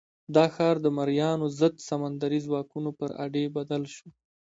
دا ښار د مریانو ضد سمندري ځواکونو پر اډې بدل شو.